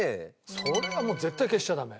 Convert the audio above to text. それはもう絶対消しちゃダメ。